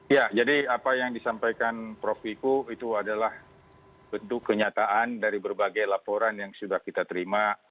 ya jadi apa yang disampaikan prof wiku itu adalah bentuk kenyataan dari berbagai laporan yang sudah kita terima